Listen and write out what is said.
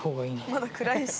まだ暗いし。